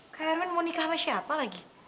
kak herman mau nikah sama siapa lagi